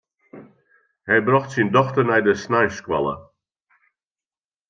Hy brocht syn dochter nei de sneinsskoalle.